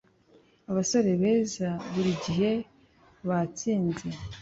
abasore beza burigihe batsinze.